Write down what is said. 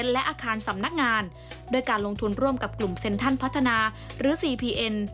และอาคารสำนักงานด้วยการลงทุนร่วมกับกลุ่มเซ็นทรัลพัฒนาหรือซีพีเอ็น